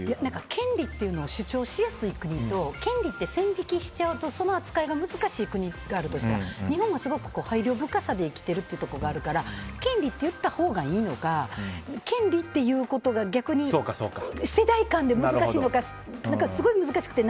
権利っていうのを主張しやすい国と権利って線引きしちゃうとその扱いが難しい国があるとしたら日本は配慮深さで生きているところがあるから権利って言ったほうがいいのか権利っていうことが逆に世代間で難しいのかすごい難しくて。